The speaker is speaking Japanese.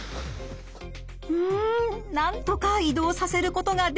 うんなんとか移動させることができました。